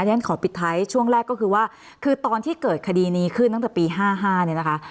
ฉันขอปิดท้ายช่วงแรกก็คือว่าคือตอนที่เกิดคดีนี้ขึ้นตั้งแต่ปี๕๕เนี่ยนะคะ